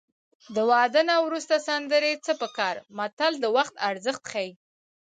له واده نه وروسته سندرې څه په کار متل د وخت ارزښت ښيي